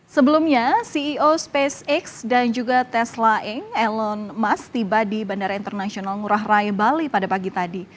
sebelumnya ceo spacex dan juga tesla elon musk tiba di bandara internasional ngurah rai bali pada pagi tadi